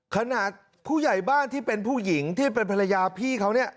ขนาดผู้ใหญ่บ้านที่เป็นผู้หญิงที่เป็นภรรยาพี่เขาเนี่ย